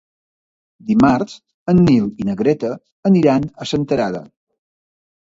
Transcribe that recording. Dimarts en Nil i na Greta aniran a Senterada.